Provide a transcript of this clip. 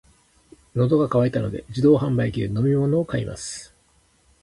喉が渇いたので、自動販売機で飲み物を買います。